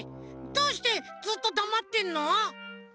どうしてずっとだまってんの？